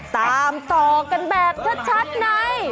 ตามต่อกันแบบวิคับแชทไหน